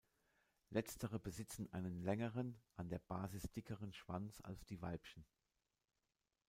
Letztere besitzen einen längeren, an der Basis dickeren Schwanz als die Weibchen.